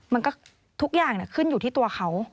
มันก็ทุกอย่างขึ้นอยู่ที่ตัวเขา